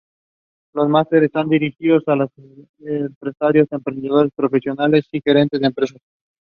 He studied organ in the Basilica de la Merced in Barcelona.